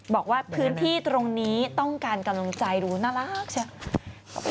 บอกว่าพื้นที่ตรงนี้ต้องการกำลังใจดูน่ารักใช่ไหม